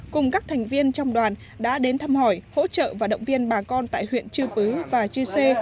cùng các thành viên trong đoàn đã đến thăm hỏi hỗ trợ và động viên bà con tại huyện chư pứ và chư sê